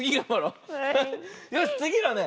よしつぎはね